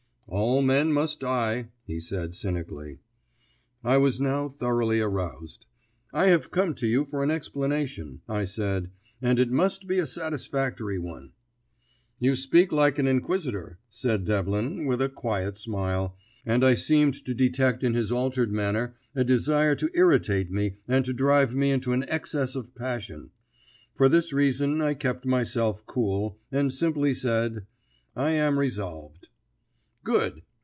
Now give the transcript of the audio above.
"All men must die," he said cynically. I was now thoroughly aroused. "I have come to you for an explanation," I said, "and it must be a satisfactory one." "You speak like an inquisitor," said Devlin, with a quiet smile, and I seemed to detect in his altered manner a desire to irritate me and to drive me into an excess of passion. For this reason I kept myself cool, and simply said, "I am resolved." "Good.